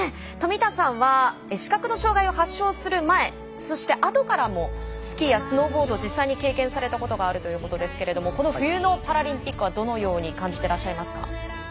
富田さんは視覚の障がいを発症する前そして、あとからもスキーやスノーボードを実際に経験されたことがあるということですけれどこの冬のパラリンピックはどう感じていらっしゃいますか？